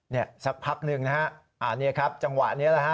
เนี่ยสักผักหนึ่งนะฮะ